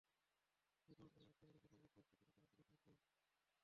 যখন অন্যরা বুঝতে পারবে দুনিয়ার কিছু হচ্ছে, তারা তোমার কাছে আসবে।